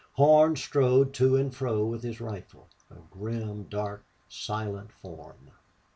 Horn strode to and fro with his rifle a grim, dark, silent form.